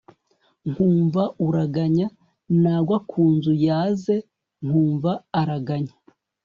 nkumva uraganya nagwa ku nzu yaze nkumva uraganya